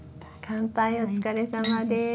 乾杯お疲れさまです。